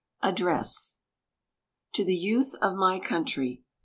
ADDRESS TO THE YOUTH OF MY COUNTRY.